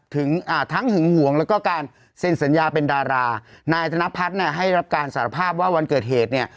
อ่าทั้งหึงห่วงแล้วก็การเซ็นสัญญาเป็นดารานายธนพัฒน์เนี่ยให้รับการสารภาพว่าวันเกิดเหตุเนี่ย